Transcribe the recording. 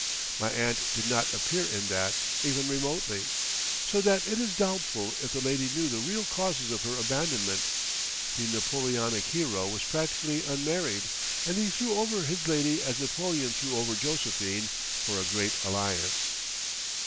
My aunt did not appear in that, even remotely. So that it is doubtful if the lady knew the real causes of her abandonment. The Napoleonic hero was practically unmarried, and he threw over his lady as Napoleon threw over Josephine for a great alliance.